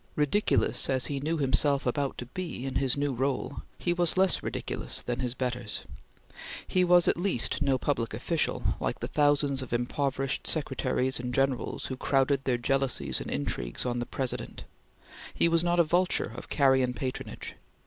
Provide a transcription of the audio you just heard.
Ridiculous as he knew himself about to be in his new role, he was less ridiculous than his betters. He was at least no public official, like the thousands of improvised secretaries and generals who crowded their jealousies and intrigues on the President. He was not a vulture of carrion patronage.